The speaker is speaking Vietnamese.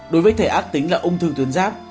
đối với thể ác tính là ung thư tuyến giáp